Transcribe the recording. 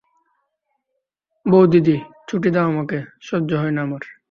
বউদিদি, ছুটি দাও আমাকে, সহ্য হয় না আমার।